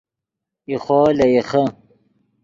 ایخو لے ایخے